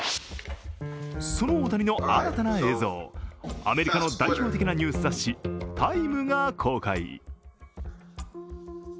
その大谷の新たな映像、アメリカの代表的なニュース雑誌、「タイム」が公開。